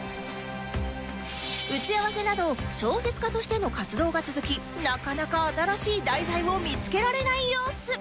打ち合わせなど小説家としての活動が続きなかなか新しい題材を見付けられない様子